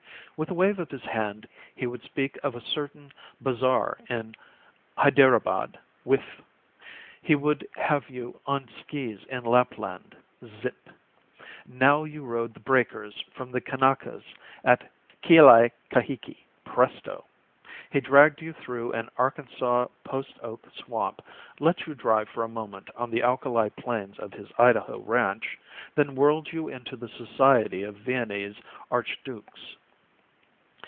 With a wave of his hand he would speak of a certain bazaar in Hyderabad. Whiff! He would have you on skis in Lapland. Zip! Now you rode the breakers with the Kanakas at Kealaikahiki. Presto! He dragged you through an Arkansas post oak swamp, let you dry for a moment on the alkali plains of his Idaho ranch, then whirled you into the society of Viennese archdukes.